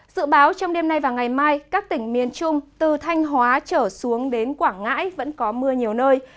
dự báo trong đêm nay và ngày mai các tỉnh miền trung từ thanh hóa trở xuống đến quảng ngãi vẫn có mưa nhiều nơi